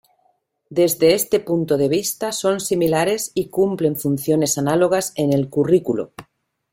Desde este punto de vista son similares y cumplen funciones análogas en el currículo.